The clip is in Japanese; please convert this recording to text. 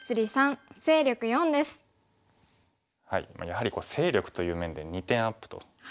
やはり勢力という面で２点アップと。